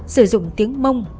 sử dụng tiếng mông